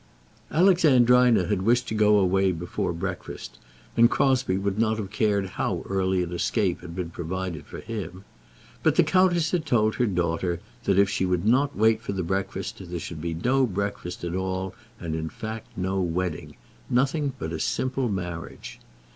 Alexandrina had wished to go away before breakfast, and Crosbie would not have cared how early an escape had been provided for him; but the countess had told her daughter that if she would not wait for the breakfast, there should be no breakfast at all, and in fact no wedding; nothing but a simple marriage.